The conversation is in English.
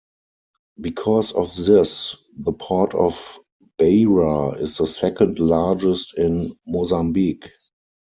Because of this, the port of Beira is the second largest in Mozambique.